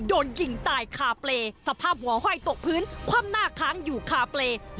โดนยิงตายคาเปรย์สภาพหัวห้อยตกพื้นคว่ำหน้าค้างอยู่คาเปรย์